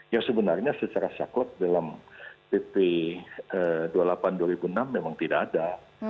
yang sebenarnya secara sakot dalam pp dua puluh delapan dua ribu enam memang tidak ada